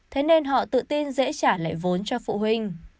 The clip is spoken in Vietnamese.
thế nên họ tự tin dễ trả lại vốn cho phụ huynh